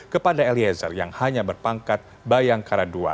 kepada eliezer yang hanya berpangkat bayangkara ii